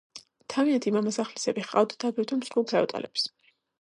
თავიანთი მამასახლისები ჰყავდათ აგრეთვე მსხვილ ფეოდალებს.